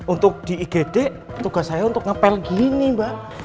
untuk di igd tugas saya untuk ngepel gini mbak